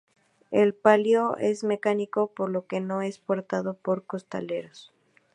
El palio es mecánico, por lo que no es portado por costaleros.